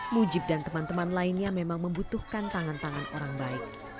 mujib dan teman teman lainnya memang membutuhkan tangan tangan orang baik